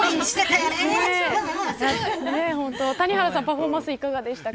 谷原さん、パフォーマンスいかがでしたか。